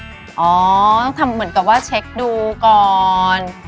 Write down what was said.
อ๋อทำเหมือนกับว่าเช็คดูก่อน